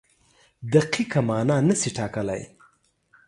دقیقه مانا نشي ټاکلی.